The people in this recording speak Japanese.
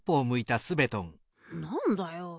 なんだよ。